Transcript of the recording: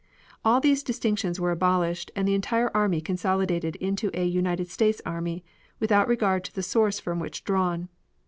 All these distinctions were abolished and the entire army consolidated into a United States army, without regard to the source from which drawn.